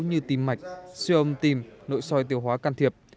như tim mạch siêu âm tim nội soi tiêu hóa can thiệp